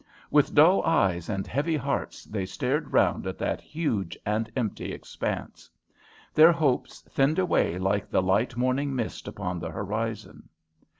With dull eyes and heavy hearts they stared round at that huge and empty expanse. Their hopes thinned away like the light morning mist upon the horizon.